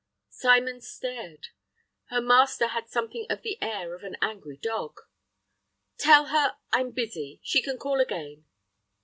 Symons stared. Her master had something of the air of an angry dog. "Tell her I'm busy. She can call again."